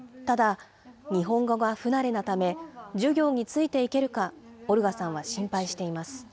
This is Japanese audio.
ただ、日本語が不慣れなため、授業についていけるかオルガさんは心配しています。